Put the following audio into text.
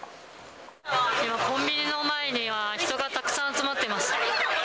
今、コンビニの前には、人がたくさん集まっています。